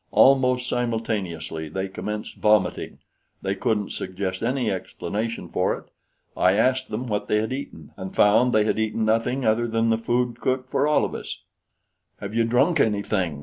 Almost simultaneously they commenced vomiting. They couldn't suggest any explanation for it. I asked them what they had eaten, and found they had eaten nothing other than the food cooked for all of us. "Have you drunk anything?"